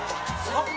あっ！